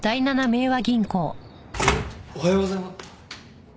おはようございます。